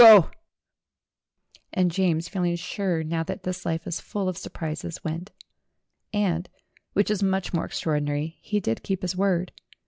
Go !" And James, feeling sure now that this life is full of surprises, went. And which is much more extraordi nary he did keep his word.